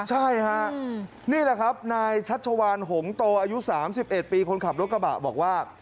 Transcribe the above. ใช่ฮะนี่แหละครับนายชัชวานหงโตอายุ๓๑ปีคนขับรถกระบะบอกว่า